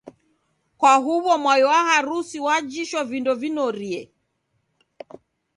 kwa huw'o mwai wa harusi wajishwa vindo vinorie.